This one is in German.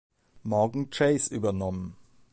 Morgan Chase übernommen.